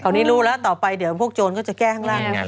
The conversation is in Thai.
นี้รู้แล้วต่อไปเดี๋ยวพวกโจรก็จะแก้ข้างล่างเนี่ย